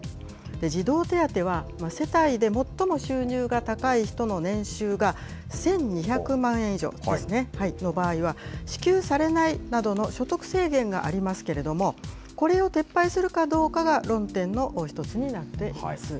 児童手当は世帯で最も収入が高い人の年収が１２００万円以上の場合は、支給されないなどの所得制限がありますけれども、これを撤廃するかどうかが論点の１つになっています。